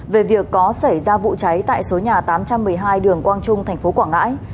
về việc có xảy ra vụ cháy tại số nhà tám trăm một mươi hai đường quang trung thành phố quảng ngãi